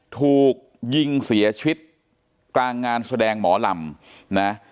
ถูกยิงเสียชีวิตกลางงานแสดงหมอลำนะ